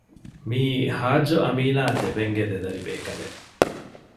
މީ ޙާއްޖު އަމީނާ ދެބެންގެ ދެދަރި ބޭކަލެއް